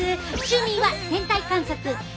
趣味は天体観測。